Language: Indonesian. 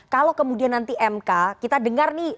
kalau kemudian nanti mk kita dengar nih